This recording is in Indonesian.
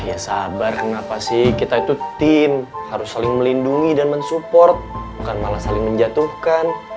ya sabar kenapa sih kita itu tim harus saling melindungi dan mensupport bukan malah saling menjatuhkan